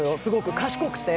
賢くて。